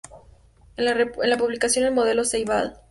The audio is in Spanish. En la publicación "El modelo Ceibal.